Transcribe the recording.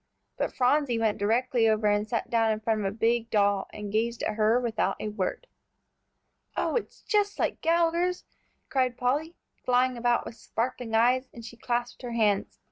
But Phronsie went directly over and sat down in front of a big doll, and gazed at her without a word. "Oh, it's just like Gallagher's," cried Polly, flying about with sparkling eyes, and she clasped her hands.